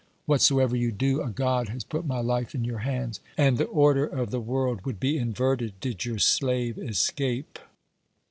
What soever you do, a God has put my life in your hands, and the order of the world would be inverted did your slave escape.